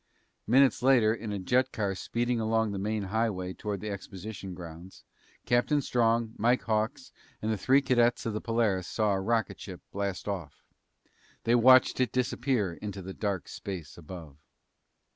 Minutes later, in a jet car speeding along the main highway toward the exposition grounds, Captain Strong, Mike Hawks, and the three cadets of the Polaris saw a rocket ship blast off. They watched it disappear into the dark space above.